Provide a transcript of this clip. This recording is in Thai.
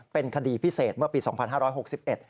เป็นคดีพิเศษเมื่อปีปี๒๕๖๑